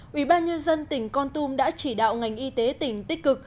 ủy ban nhân dân tỉnh con tum đã chỉ đạo ngành y tế tỉnh tích cực